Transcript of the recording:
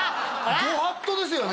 御法度ですよね